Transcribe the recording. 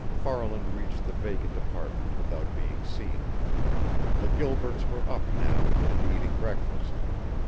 Farland reached the vacant apartment without being seen. The Gilberts were up now and eating breakfast.